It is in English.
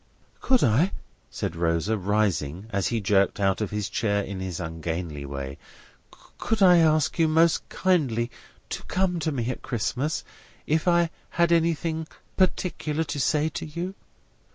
"Could I," said Rosa, rising, as he jerked out of his chair in his ungainly way: "could I ask you, most kindly to come to me at Christmas, if I had anything particular to say to you?"